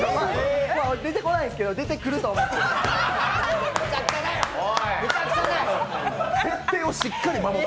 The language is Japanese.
出てこないですけど出てくると思って。